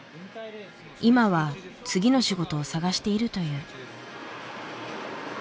今は次の仕事を探しているという。